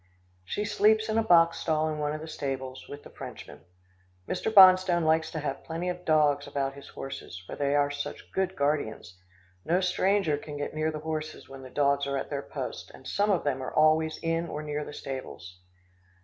She sleeps in a box stall in one of the stables, with the Frenchmen. Mr. Bonstone likes to have plenty of dogs about his horses, for they are such good guardians. No stranger can get near the horses when the dogs are at their post, and some of them are always in or near the stables.